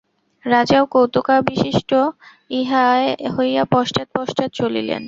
রাজাও কৌতুকাবিষ্ট হইয়া পশ্চাৎ পশ্চাৎ চলিলেন।